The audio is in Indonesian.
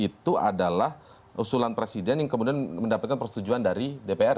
itu adalah usulan presiden yang kemudian mendapatkan persetujuan dari dpr